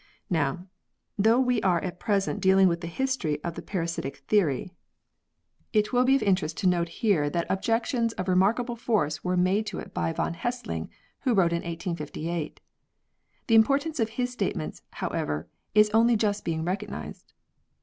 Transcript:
Now, though we are at present dealing with the history of the parasite theory, it will be of interest to D. 7 98 PEARLS [CH. note here that objections of remarkable force were made to it by von Hessling, who wrote in 1858. The importance of his statements, however, is only just being recognised.